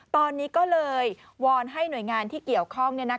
ตอนนี้ก็เลยวอนให้หน่วยงานที่เกี่ยวข้อง